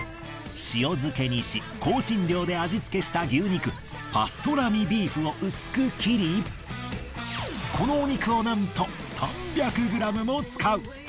塩漬けにし香辛料で味付けした牛肉パストラミビーフを薄く切りこのお肉をなんと３００ｇも使う！